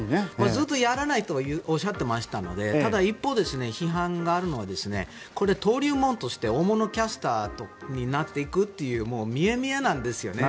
ずっとやらないとおっしゃっていたのでただ、批判があるのはこれ、登竜門として大物キャスターになっていくのが見え見えなんですよね。